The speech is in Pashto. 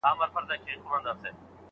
هغه سخا نه پرېښوده.